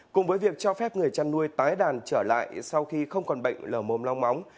cùng với việc cho phép người chăn nuôi tái đàn trở lại sau khi không còn bệnh lờ mồm long móng